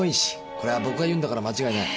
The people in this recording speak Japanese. これは僕が言うんだから間違いない。